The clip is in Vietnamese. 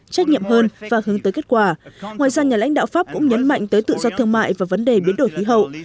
trách nhiệm hơn và hướng tới kết quả ngoài ra nhà lãnh đạo pháp cũng nhấn mạnh tới tự do thương mại và vấn đề biến đổi khí hậu